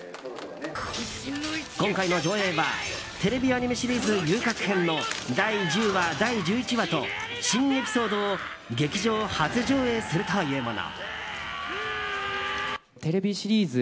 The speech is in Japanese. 今回の上映はテレビアニメシリーズ「遊郭編」の第１０話、第１１話と新エピソードを劇場初上映するというもの。